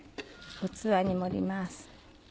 器に盛ります。